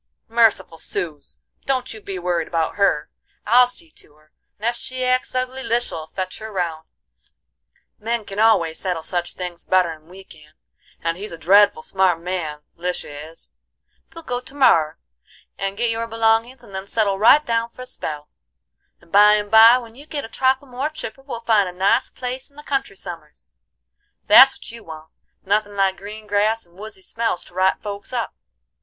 "Merciful, suz! don't you be worried about her. I'll see to her, and ef she acts ugly Lisha'll fetch her round; men can always settle such things better'n we can, and he's a dreadful smart man Lisha is. We'll go to morrer and get your belongins, and then settle right down for a spell; and by an' by when you git a trifle more chipper we'll find a nice place in the country some'rs. That's what you want; nothin' like green grass and woodsy smells to right folks up.